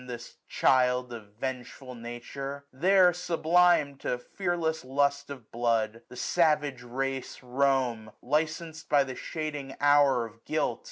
This child of vengeful Nature ! There, sublim'd To fearless lust of blood, the savage race Roam, licensed by the shading hour of guilt.